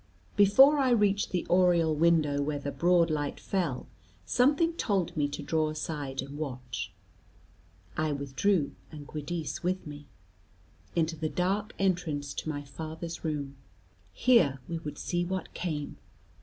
Before I reached the oriel window where the broad light fell, something told me to draw aside and watch. I withdrew, and Giudice with me, into the dark entrance to my father's room. Here we would see what came.